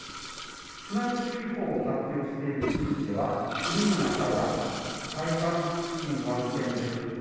津波注意報を発表している地域では、海の中や海岸付近は危険です。